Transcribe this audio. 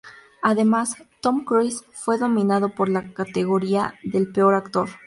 Además, Tom Cruise fue nominado en la categoría de peor actor.